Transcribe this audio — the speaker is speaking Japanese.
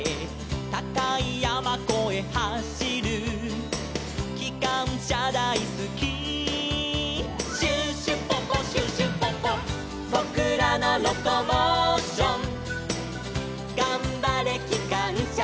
「たかいやまこえはしる」「きかんしゃだいすき」「シュシュポポシュシュポポ」「ぼくらのロコモーション」「がんばれきかんしゃシュシュポポ」